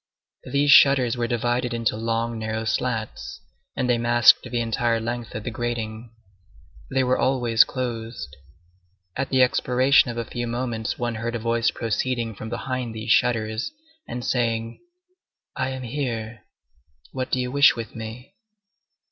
These shutters were divided into long, narrow slats, and they masked the entire length of the grating. They were always closed. At the expiration of a few moments one heard a voice proceeding from behind these shutters, and saying:— "I am here. What do you wish with me?"